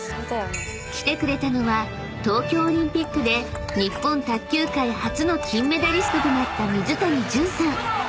［来てくれたのは東京オリンピックで日本卓球界初の金メダリストとなった］